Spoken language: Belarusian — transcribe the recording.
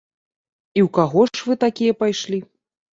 І ў каго ж вы такія пайшлі?